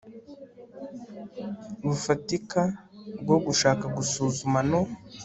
bufatika bwo gushaka gusuzuma no